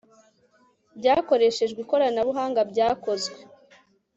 byakoreshejwe ikoranabuhanga byakozwe